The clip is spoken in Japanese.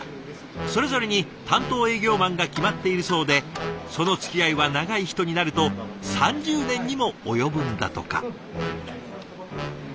それぞれに担当営業マンが決まっているそうでそのつきあいは長い人になると３０年にも及ぶんだとか。